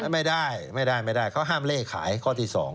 ไม่ได้ท่านว่าห้ามเลขายข้อที่๒